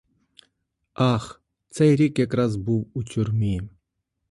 Ах, цей рік якраз був у тюрмі.